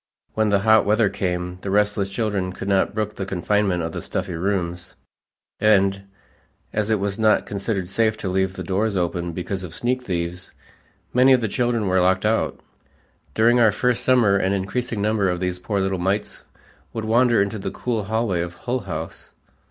When the hot weather came the restless children could not brook the confinement of the stuffy rooms, and, as it was not considered safe to leave the doors open because of sneak thieves, many of the children were locked out. During our first summer an increasing number of these poor little mites would wander into the cool hallway of Hull House.